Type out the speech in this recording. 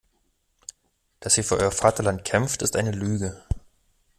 Dass ihr für euer Vaterland kämpft, ist eine Lüge.